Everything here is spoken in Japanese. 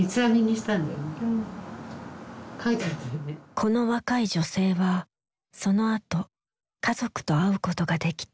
この若い女性はそのあと家族と会うことができた。